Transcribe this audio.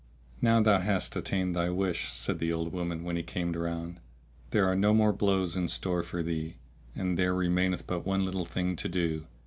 "Now thou hast attained thy wish," said the old woman when he came round; "there are no more blows in store for thee and there remaineth but one little thing to do.